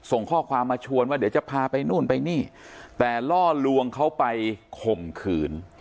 ส่งข้อความมาชวนว่าเดี๋ยวจะพาไปนู่นไปนี่แต่ล่อลวงเขาไปข่มขืน